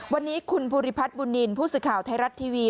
วันนี้คุณภูริพัฒน์บุญนินทร์ผู้สื่อข่าวไทยรัฐทีวี